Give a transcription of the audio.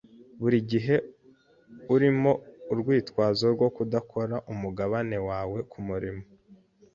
Buri gihe urimo urwitwazo rwo kudakora umugabane wawe kumurimo.